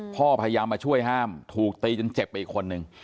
พยายามมาช่วยห้ามถูกตีจนเจ็บไปอีกคนนึง